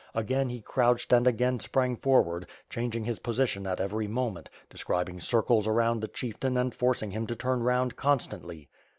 Again he crouched and again sprang forward, ohanging his position at every moment, describing circles around the chieftain and forcing him to turn round constantly.